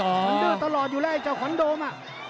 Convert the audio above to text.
มันดื้อตลอดอยู่แล้วไอ้เจ้าขวัญโดม